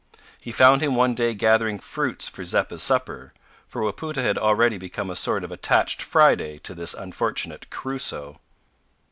He found him one day gathering fruits for Zeppa's supper for Wapoota had already become a sort of attached Friday to this unfortunate Crusoe.